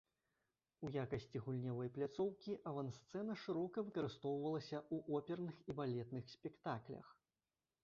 У якасці гульнявой пляцоўкі авансцэна шырока выкарыстоўвалася ў оперных і балетных спектаклях.